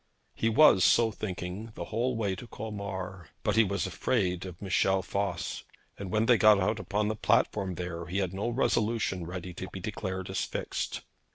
He was so thinking the whole way to Colmar. But he was afraid of Michel Voss, and when they got out upon the platform there, he had no resolution ready to be declared as fixed.